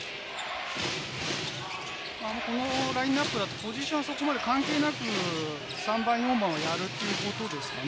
このラインアップだと、ポジションそこまで関係なく、３番、４番をやるということですかね。